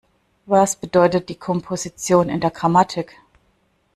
Was bedeutet die Komposition in der Grammatik?